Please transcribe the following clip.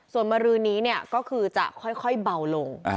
ส่วนมรือนี้เนี่ยก็คือจะค่อยเบาลง